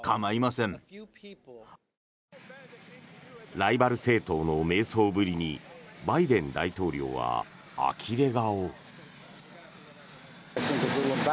ライバル政党の迷走ぶりにバイデン大統領は、あきれ顔。